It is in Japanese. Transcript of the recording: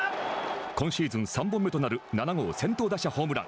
今シーズン３本目となる７号先頭打者ホームラン。